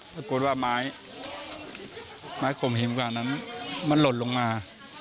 ปรากฏว่าไม้ไม้ข่มหินขนาดนั้นมันหล่นลงมา